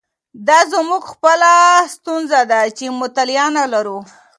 دا زموږ خپله ستونزه ده چې مطالعه نه لرو.